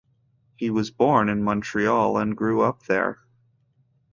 He was born in Montreal and grew up there.